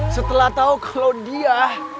setelah tau kalau dia